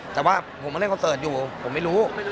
แต่ว่าผมมาเล่นเขาสบายอยู่ผมไม่รู้